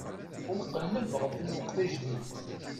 Ad nqelleb ɣef lweqt ajdid.